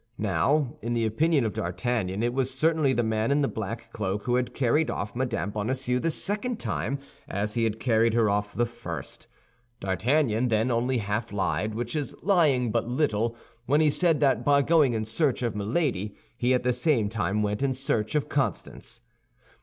Now, in the opinion of D'Artagnan, it was certainly the man in the black cloak who had carried off Mme. Bonacieux the second time, as he had carried her off the first. D'Artagnan then only half lied, which is lying but little, when he said that by going in search of Milady he at the same time went in search of Constance.